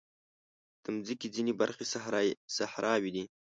د مځکې ځینې برخې صحراوې دي.